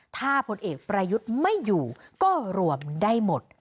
ถ้าพลเอกประยุทธ์ไม่อยู่ก็รวมได้หมด